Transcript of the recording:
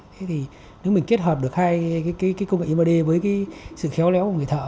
thế thì nếu mình kết hợp được hai cái công nghệ in ba d với cái sự khéo léo của người thợ